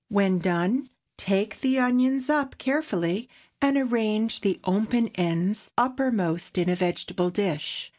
When done, take the onions up carefully, and arrange the open ends uppermost in a vegetable dish.